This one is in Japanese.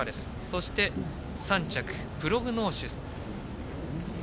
そして３着、プログノーシス。